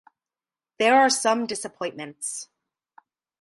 There are some disappointments.